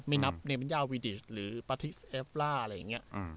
ไม่นับในบรรยาววีดีสหรือปาทิสเอฟราอะไรอย่างเงี้ย